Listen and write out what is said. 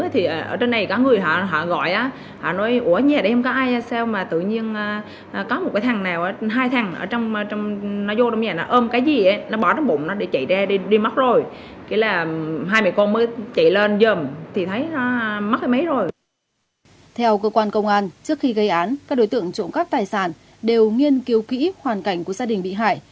theo cơ quan công an trước khi gây án các đối tượng trộm các tài sản đều nghiên cứu kỹ hoàn cảnh của gia đình bị hại